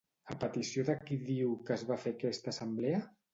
A petició de qui diu que es va fer aquesta assemblea?